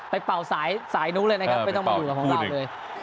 เป่าสายนู้นเลยนะครับไม่ต้องมาอยู่กับของเราเลย